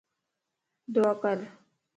دعا ڪر